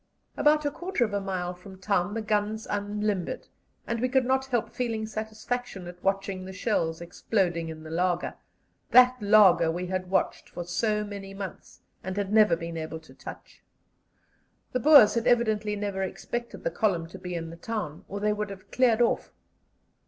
About a quarter of a mile from town the guns unlimbered, and we could not help feeling satisfaction at watching the shells exploding in the laager that laager we had watched for so many months, and had never been able to touch. The Boers had evidently never expected the column to be in the town, or they would have cleared off.